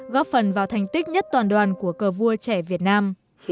góp phần vào thành tích nhất toàn đoàn của cờ vua trẻ việt nam